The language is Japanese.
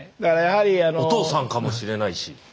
お父さんかもしれないし。